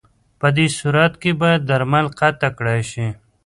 پدې صورت کې باید درمل قطع کړای شي.